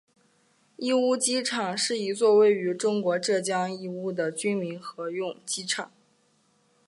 义乌机场是一座位于中国浙江义乌的军民合用机场。